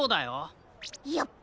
やっぱり。